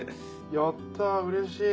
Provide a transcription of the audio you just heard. やったうれしい。